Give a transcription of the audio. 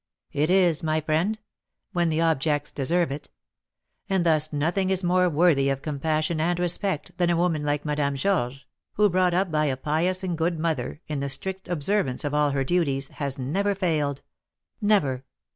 "It is, my friend, when the objects deserve it; and thus nothing is more worthy of compassion and respect than a woman like Madame Georges, who, brought up by a pious and good mother in the strict observance of all her duties, has never failed, never!